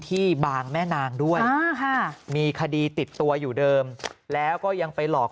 ที่บางแม่นางด้วยมีคดีติดตัวอยู่เดิมแล้วก็ยังไปหลอก